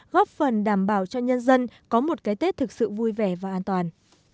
góp phần đảm bảo cho nhân dân có một cái tết thực sự vui vẻ và an toàn